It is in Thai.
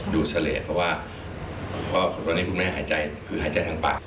เฉลยเพราะว่าตอนนี้คุณแม่หายใจคือหายใจทางปาก